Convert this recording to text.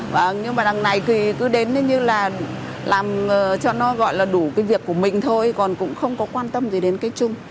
và nhưng mà đằng này thì cứ đến như là làm cho nó gọi là đủ cái việc của mình thôi còn cũng không có quan tâm gì đến cái chung